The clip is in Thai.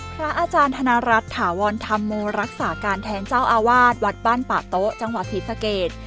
พระอาจารย์ธนรัฐถาวรธรรมโมรักษาการแทนเจ้าอาวาสวัดบ้านป่าโต๊ะจังหวัดศรีสะเกด